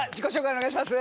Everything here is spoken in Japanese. お願いします。